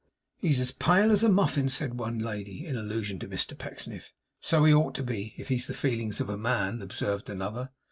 'He's as pale as a muffin,' said one lady, in allusion to Mr Pecksniff. 'So he ought to be, if he's the feelings of a man,' observed another.